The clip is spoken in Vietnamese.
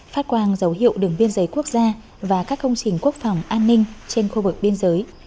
phát quang dấu hiệu đường biên giới quốc gia và các công trình quốc phòng an ninh trên khu vực biên giới